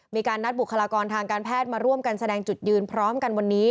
มีการนัดบุคลากรทางการแพทย์มาร่วมกันแสดงจุดยืนพร้อมกันวันนี้